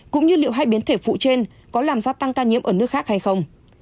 cũng như liệu hai biến thể phụ trên có làm gia tăng ca nhiễm ở nước khác hay không